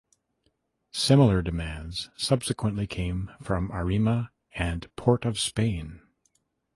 Similar demands subsequently came from Arima and Port of Spain.